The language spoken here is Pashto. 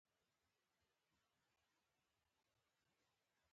د افغانستان په منظره کې وادي ښکاره ده.